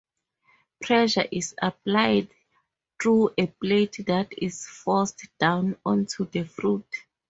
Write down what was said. Pressure is applied through a plate that is forced down onto the fruit.